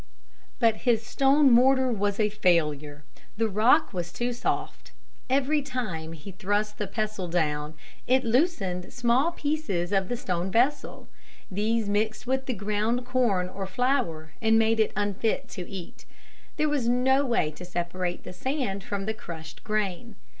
But his stone mortar was a failure. The rock was too soft. Every time he thrust the pestle down, it loosened small pieces of the stone vessel. These mixed with the ground corn or flour and made it unfit to eat. There was no way to separate the sand from the crushed grain.